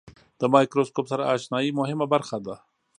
د مایکروسکوپ سره آشنایي مهمه برخه ده.